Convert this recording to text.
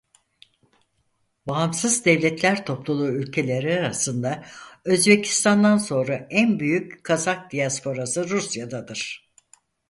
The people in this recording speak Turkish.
Bağımsız Devletler Topluluğu ülkeleri arasında Özbekistan'dan sonra en büyük Kazak diasporası Rusya'dadır.